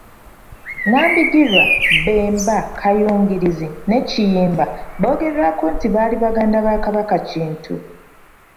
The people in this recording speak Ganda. Nambigirwa, Bemba, Kayungirizi ne Kiyimba boogerwako nti baali baganda ba Kabaka Kintu